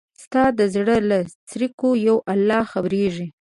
ستا د زړه له څړیکو یو الله خبریږي